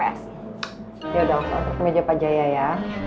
yaudah saya mau ketemu aja pak jaya ya